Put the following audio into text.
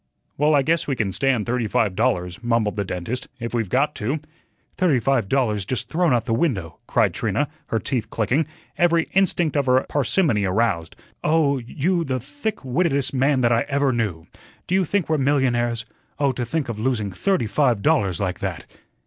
"Well, I guess we can stand thirty five dollars," mumbled the dentist, "if we've got to." "Thirty five dollars just thrown out of the window," cried Trina, her teeth clicking, every instinct of her parsimony aroused. "Oh, you the thick wittedest man that I ever knew. Do you think we're millionaires? Oh, to think of losing thirty five dollars like that."